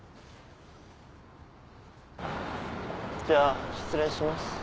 じゃあ失礼します。